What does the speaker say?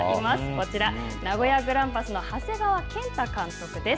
こちら、名古屋グランパスの長谷川健太監督です。